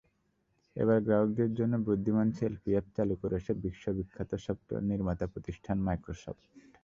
এবার গ্রাহকদের জন্য বুদ্ধিমান সেলফি অ্যাপ চালু করেছে বিশ্বখ্যাত সফটওয়্যার নির্মাতা প্রতিষ্ঠান মাইক্রোসফট।